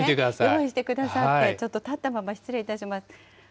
用意してくださって、ちょっと立ったまま失礼いたします。